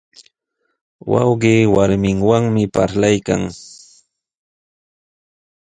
Wawqii warminwanmi parlaykan.